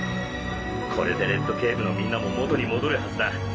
これでレッドケイブのみんなも元に戻るはずだ。